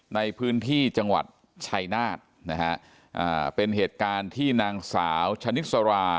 ในพื้นที่จังหวัดชัยนาฏนะฮะอ่าเป็นเหตุการณ์ที่นางสาวชนิสรา